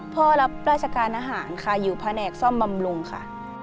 รับราชการอาหารค่ะอยู่แผนกซ่อมบำรุงค่ะ